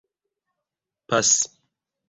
pasi